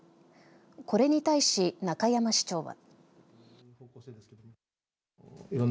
これに対し、中山市長は。